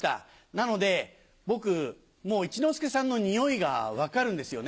なので僕もう一之輔さんのニオイが分かるんですよね。